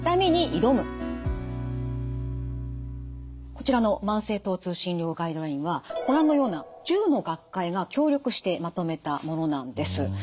こちらの「慢性疼痛診療ガイドライン」はご覧のような１０の学会が協力してまとめたものなんです。